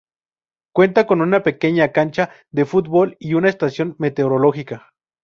Cuenta con una pequeña cancha de fútbol y una estación meteorológica.